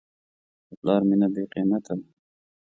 د پلار مینه بېقیمت ده.